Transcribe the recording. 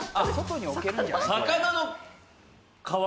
魚の皮？